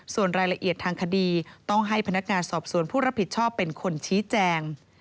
ส่วนรายละเอียดทางคดีต้องให้พนักงานสอบสวนผู้รับผิดชอบเป็นคนชี้แจง